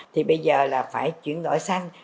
thì bây giờ là phải chuyển đổi sanh